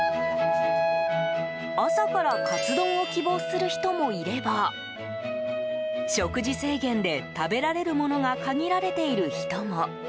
朝からカツ丼を希望する人もいれば食事制限で食べられるものが限られている人も。